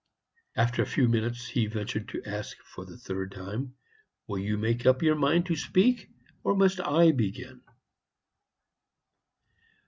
After a few minutes he ventured to ask for the third time, "Will you make up your mind to speak, or must I begin?"